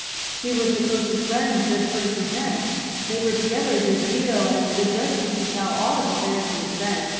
"He was the closest friend Judge Ferguson had. They were together a good deal and the judge used to tell all his affairs to his friend.